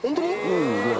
うん。